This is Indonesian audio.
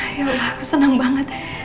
ayolah aku senang banget